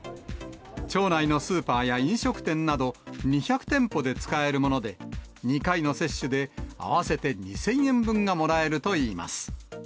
町内のスーパーや飲食店など、２００店舗で使えるもので、２回の接種で、合わせて２０００円分がもらえるといいます。